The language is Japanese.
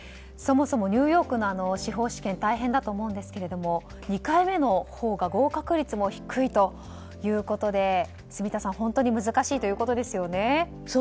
そもそもニューヨークの司法試験大変だと思うんですけれども２回目のほうが合格率も低いということで住田さん、本当に難しいということですよね。